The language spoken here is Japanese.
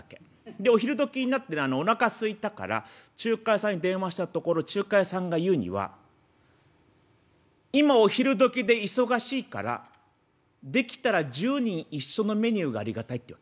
でお昼どきになってねおなかすいたから中華屋さんに電話したところ中華屋さんが言うには「今お昼どきで忙しいからできたら１０人一緒のメニューがありがたい」って言うわけ。